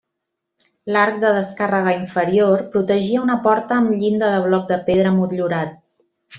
L'arc de descàrrega inferior protegia una porta amb llinda de bloc de pedra motllurat.